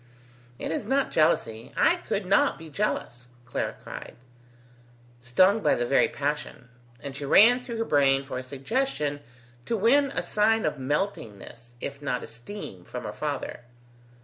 "It is not jealousy; I could not be jealous!" Clara cried, stung by the very passion; and she ran through her brain for a suggestion to win a sign of meltingness if not esteem from her father.